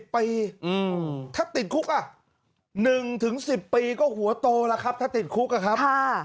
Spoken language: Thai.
ถ้าติดคุก๑๑๐ปีก็หัวโตแล้วครับถ้าติดคุกอะครับ